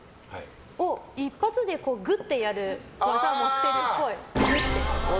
一発でぐっとやる技持ってるっぽい。